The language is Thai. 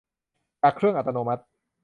จากเครื่องอัตโนมัติ